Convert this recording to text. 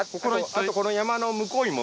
あとこの山の向こうにも。